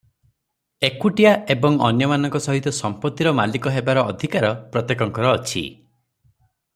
ଏକୁଟିଆ ଏବଂ ଅନ୍ୟମାନଙ୍କ ସହିତ ସମ୍ପତିର ମାଲିକ ହେବାର ଅଧିକାର ପ୍ରତ୍ୟେକଙ୍କର ଅଛି ।